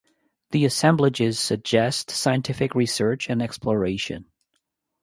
The assemblages suggest scientific research and exploration.